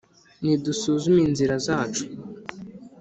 Nidusuzume inzira zacu,